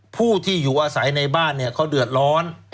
ผู้ที่อยู่อาศัยในบ้านเนี่ยเขาเดือดร้อน